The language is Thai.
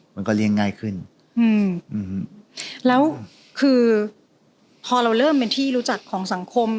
มันก็เลี่ยงง่ายขึ้นอืมอืมแล้วคือพอเราเริ่มเป็นที่รู้จักของสังคม